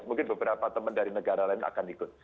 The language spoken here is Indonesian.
mungkin beberapa teman dari negara lain akan ikut